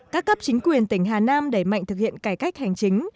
các cấp chính quyền tỉnh hà nam đẩy mạnh thực hiện cải cách hành chính